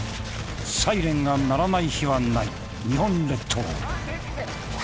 サイレンが鳴らない日はない日本列島。